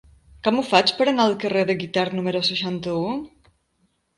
Com ho faig per anar al carrer de Guitard número seixanta-u?